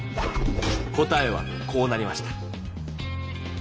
答えはこうなりました。